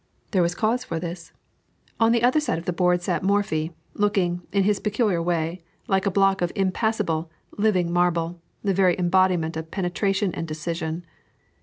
There was cause for this. On the other side of the board sat Morphy, looking, in his peculiar way, like a block of impassible, living marble, the very embodiment of penetration and decision.